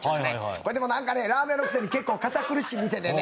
これなんかラーメン屋のくせに堅苦しい店でね。